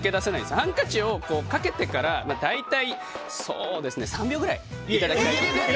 ハンカチをかけてから大体、３秒ぐらいいただきたいと思います。